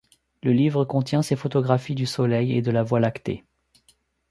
Le livre contient ses photographies du soleil et de la Voie lactée.